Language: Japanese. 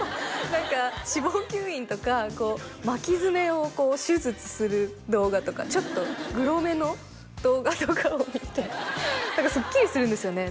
何か脂肪吸引とか巻き爪を手術する動画とかちょっとグロめの動画とかを見て何かすっきりするんですよね